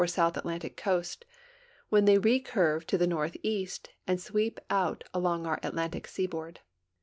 South Atlantic coast, when they recurve to the iiDrtheast and sweep along our Atlantic seaboard.